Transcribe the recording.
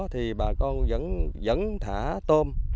thì bà con vẫn thả tôm